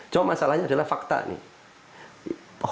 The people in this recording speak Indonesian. cuma masalahnya adalah fakta nih